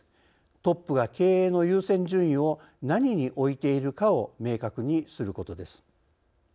トップが経営の優先順位を何に置いているかを明確にすることです。